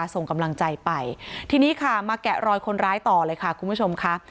ส่งกำลังใจไปทีนี้ค่ะมาแกะรอยคนร้ายต่อเลยค่ะคุณผู้ชมค่ะ